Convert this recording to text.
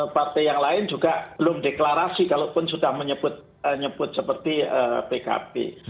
partai yang lain juga belum deklarasi kalaupun sudah menyebut seperti pkb